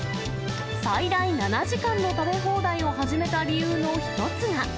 最大７時間の食べ放題を始めた理由の一つが。